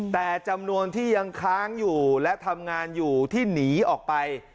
แต่จำนวนที่ยังค้างอยู่และทำงานอยู่ที่หนีออกไป